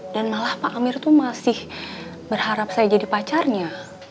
dan malah pak amir tuh masih berharap saya jadi pacarnya